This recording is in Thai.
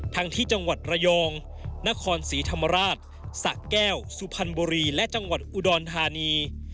ที่จังหวัดระยองนครศรีธรรมราชสะแก้วสุพรรณบุรีและจังหวัดอุดรธานี